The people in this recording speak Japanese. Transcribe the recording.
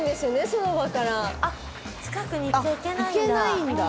その場から近くに行っちゃいけないんだ